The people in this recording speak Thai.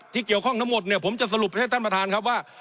เกี่ยวข้องทั้งหมดเนี่ยผมจะสรุปให้ท่านประธานครับว่า